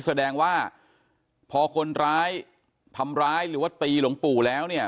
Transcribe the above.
แสดงว่าพอคนร้ายทำร้ายหรือว่าตีหลวงปู่แล้วเนี่ย